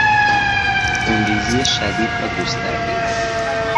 خونریزی شدید و گسترده